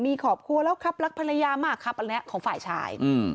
มีครอบครัวแล้วครับรักภรรยามากครับอันนี้ของฝ่ายชาย